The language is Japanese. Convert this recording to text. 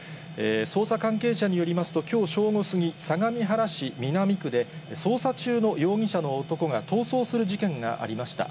捜査関係者によりますと、きょう正午過ぎ、相模原市南区で、捜査中の容疑者の男が逃走する事件がありました。